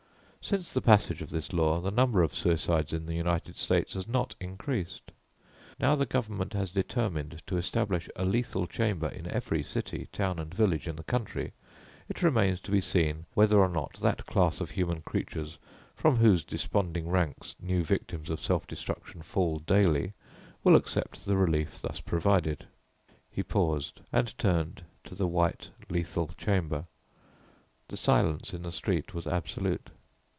Since the passage of this law, the number of suicides in the United States has not increased. Now the Government has determined to establish a Lethal Chamber in every city, town and village in the country, it remains to be seen whether or not that class of human creatures from whose desponding ranks new victims of self destruction fall daily will accept the relief thus provided." He paused, and turned to the white Lethal Chamber. The silence in the street was absolute.